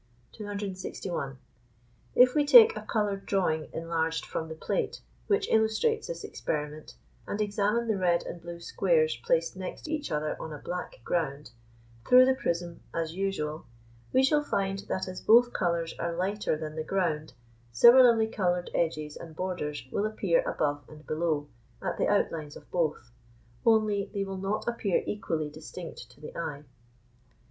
261. If we take a coloured drawing enlarged from the plate, which illustrates this experiment, and examine the red and blue squares placed next each other on a black ground, through the prism as usual, we shall find that as both colours are lighter than the ground, similarly coloured edges and borders will appear above and below, at the outlines of both, only they will not appear equally distinct to the eye.